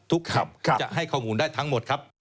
ขับจะให้ข้อมูลได้ทั้งหมดครับ